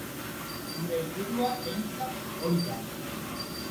Gure helburua behintzat hori da.